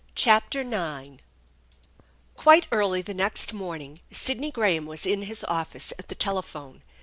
CHAPTEE IX QUITE early the next morning Sidney Graham was in his office at the telephone.